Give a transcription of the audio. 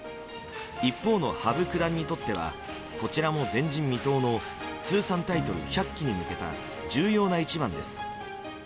一方の羽生九段にとってはこちらも前人未到の通算タイトル１００期に向けた重要な一番です。